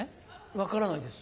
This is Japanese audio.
分からないです。